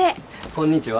こんにちは。